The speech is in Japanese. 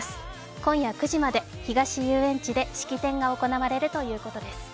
今夜９時まで東遊園地で式典が行われるということです。